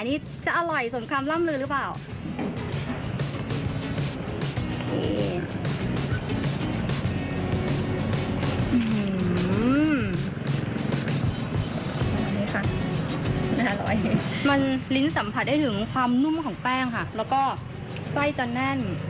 นี่จะอร่อยส่วนความล่ำลือหรือเปล่า